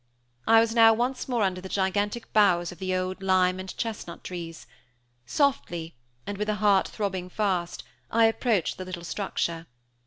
I was now once more under the gigantic boughs of the old lime and chestnut trees; softly, and with a heart throbbing fast, I approached the little structure.